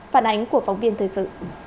phản ánh của phóng viên thời sự